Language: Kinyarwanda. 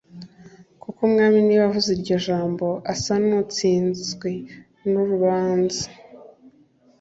Kuko umwami niba avuze iryo jambo asa n’utsinzwe n’urubanza